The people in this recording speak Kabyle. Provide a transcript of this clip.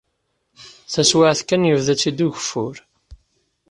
Taswiɛt kan yebda-tt-id ugeffur.